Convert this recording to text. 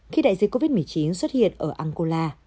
khi đại dịch covid một mươi chín xuất hiện ở angola